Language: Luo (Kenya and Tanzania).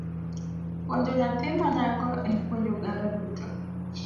Puonjo nyathi ma nyako en puonjo oganda duto.